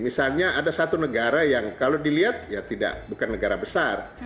misalnya ada satu negara yang kalau dilihat ya tidak bukan negara besar